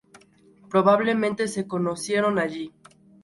Probablemente se conocieron allí.